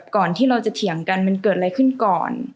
ก่อนที่เราจะเถียงกันมันเกิดอะไรขึ้นก่อน